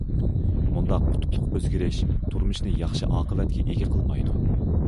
مۇنداق قۇتۇپلۇق ئۆزگىرىش تۇرمۇشنى ياخشى ئاقىۋەتكە ئىگە قىلمايدۇ.